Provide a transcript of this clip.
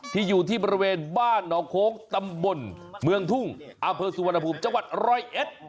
อยู่ที่บริเวณบ้านหนองโค้งตำบลเมืองทุ่งอำเภอสุวรรณภูมิจังหวัดร้อยเอ็ด